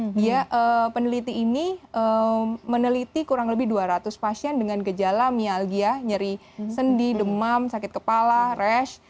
iya peneliti ini meneliti kurang lebih dua ratus pasien dengan gejala myalgia nyeri sendi demam sakit kepala rash